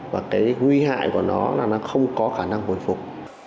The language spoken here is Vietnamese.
và cái nguy hại của nó là nó không có khả năng bồi phục